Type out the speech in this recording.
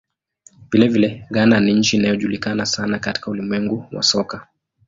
Vilevile, Ghana ni nchi inayojulikana sana katika ulimwengu wa soka.